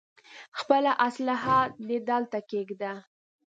خپله اسلاحه دې دلته کېږده.